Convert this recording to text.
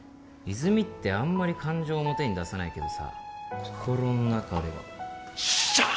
泉ってあんまり感情を表に出さないけどさ心の中ではしゃあ！